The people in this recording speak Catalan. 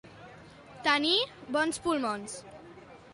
Tenir bons pulmons.